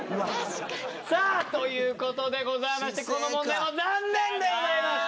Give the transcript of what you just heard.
さあということでございましてこの問題も残念でございました。